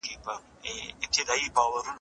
کمپيوټر غلطۍ سموي.